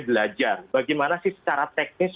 belajar bagaimana sih secara teknis